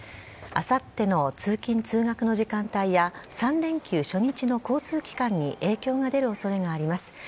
あさっての通勤通学の時間帯や、３連休初日の交通機関に影響が出るおそれがあります。